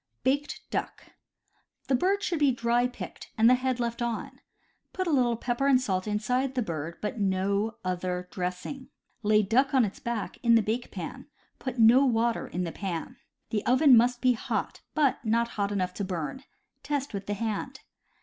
Baked Duck. — The bird should be dry picked, and the head left on. Put a little pepper and salt inside the bird, but no other dressing. Lay duck on its back in the bake pan. Put no water in the pan. The oven must be hot, but not hot enough to burn; test with the hand.